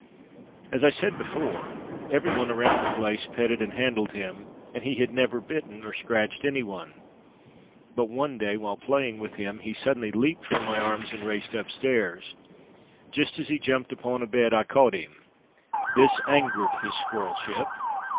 "As I said before, everyone around the place petted and handled him and he had never bitten nor scratched anyone. But one day while playing with him he suddenly leaped from my arms and raced upstairs. Just as he jumped upon a bed I caught him. This angered his squirrel ship.